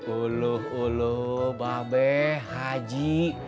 uluh uluh mbak be haji